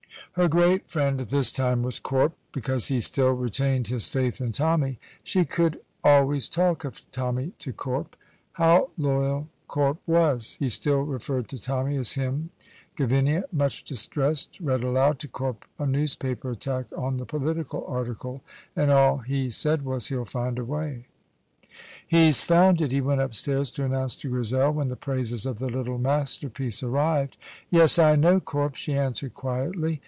Her great friend at this time was Corp; because he still retained his faith in Tommy. She could always talk of Tommy to Corp. How loyal Corp was! He still referred to Tommy as "him." Gavinia, much distressed, read aloud to Corp a newspaper attack on the political article, and all he said was, "He'll find a wy." "He's found it," he went upstairs to announce to Grizel, when the praises of the "little masterpiece" arrived. "Yes, I know, Corp," she answered quietly.